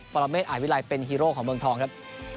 รเมฆอายวิลัยเป็นฮีโร่ของเมืองทองครับ